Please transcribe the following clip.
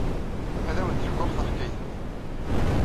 Ad awen-d-ḥkuɣ taḥkayt-nni.